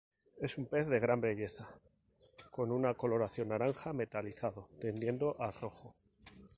Es un pez de gran belleza, con una coloración naranja metalizado tendiendo a rojo.